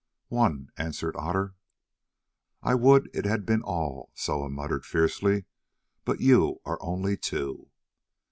"One," answered Otter. "I would it had been all," Soa muttered fiercely, "but you are only two."